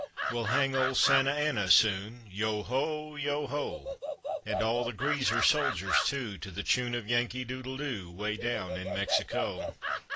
We'll hang old Santa Anna soon, Yeo ho, yeo ho! And all the greaser soldiers, too, To the chune of Yankee Doodle Doo, Way down in Mexico.